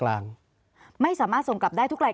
แต่ไม่ใช่เดี๋ยว